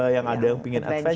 yang ada yang pingin adventure